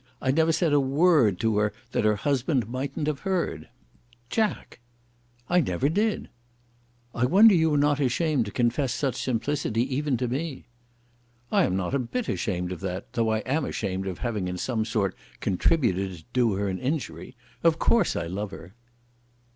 I never said a word to her that her husband mightn't have heard." "Jack!" "I never did." "I wonder you are not ashamed to confess such simplicity, even to me." "I am not a bit ashamed of that, though I am ashamed of having in some sort contributed to do her an injury. Of course I love her."